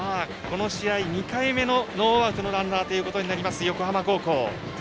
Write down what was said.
この試合、２回目のノーアウトのランナーとなります横浜高校。